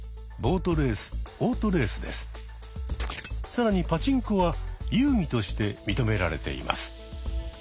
更にパチンコは遊技として認められています。